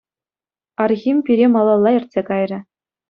Архим пире малалла ертсе кайрӗ.